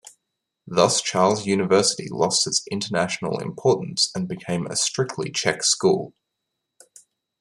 Thus Charles University lost its international importance and became a strictly Czech school.